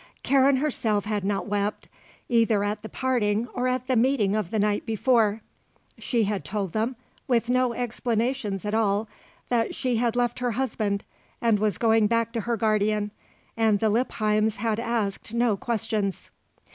Karen herself had not wept, either at the parting or at the meeting of the night before. She had told them, with no explanations at all, that she had left her husband and was going back to her guardian, and the Lippheims had asked no questions.